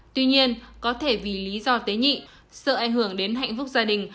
tuy nhiên có thể vì lý do tế nhị sợ ảnh hưởng đến hạnh phúc gia đình